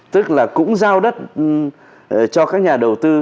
tức là cũng giao đất cho các nhà đầu tư